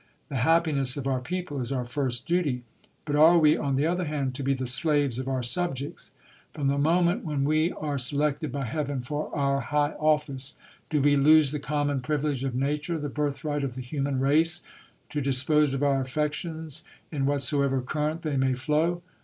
The happiness of our people is our first duty. But are we, on the other hand, to be the slaves of our subjects ? From the moment when we are selected by heaven for our high office, do we lose the common privilege of nature, the birthright of the human race, to dispose of our affections in whatsoever current they may flov?